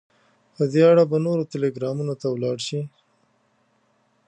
په دې اړه به نورو ټلګرامونو ته ولاړ شو.